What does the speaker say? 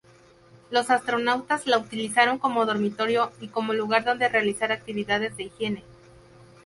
Los astronautas la utilizaron como dormitorio y como lugar donde realizar actividades de higiene.